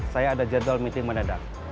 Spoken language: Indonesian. saya ada jadwal meeting mendadak